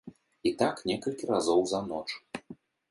І так некалькі разоў за ноч.